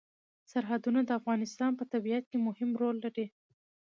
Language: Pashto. سرحدونه د افغانستان په طبیعت کې مهم رول لري.